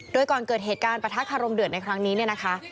โดยก่อนเกิดเหตุการณ์ประทะคารมเดือดในครั้งนี้เนี่ยนะคะ